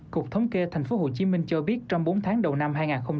cục thống kê thành phố hồ chí minh cho biết trong bốn tháng đầu năm hai nghìn hai mươi